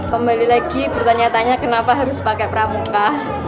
kembali lagi bertanya tanya kenapa harus pakai pramuka